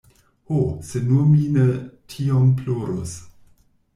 “Ho, se nur mi ne tiom plorus!”